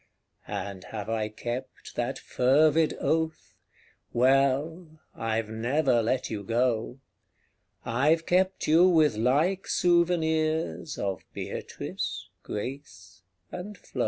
And have I kept that fervid oath? Well I've never let you go: I've kept you with like souvenirs Of Beatrice, Grace and Flo.